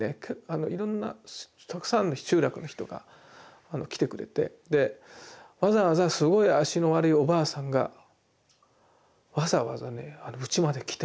いろんなたくさんの集落の人が来てくれてでわざわざすごい足の悪いおばあさんがわざわざねうちまで来て。